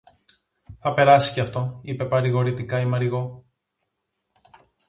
Θα περάσει και αυτό, είπε παρηγορητικά η Μαριγώ.